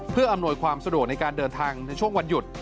เพื่ออำนวยความสะดวกในการเดินทางในช่วงวันหยุด